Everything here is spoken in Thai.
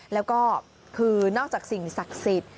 แล้วก็คือนอกจากสิ่งศักดิ์สิทธิ์